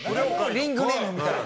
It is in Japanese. リングネームみたいな。